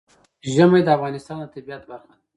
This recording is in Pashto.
ژمی د افغانستان د طبیعت برخه ده.